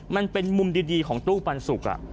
มันเป็นมุมดีของตู้ปันสุก